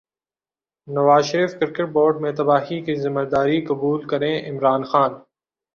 نواز Sharif cricket board میں تباہی کی ذمہ داری قبول کریں عمران خان